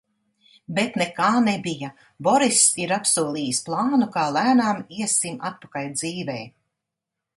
Bet nekā nebija! Boriss ir apsolījis plānu, kā lēnām iesim atpakaļ dzīvē.